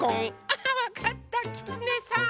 あわかったきつねさん！